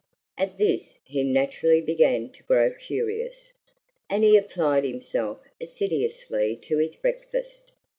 At this he naturally began to grow curious, and he applied himself assiduously to his breakfast.